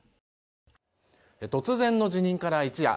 突然の辞任から一夜。